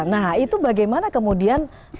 nah itu bagaimana kemudian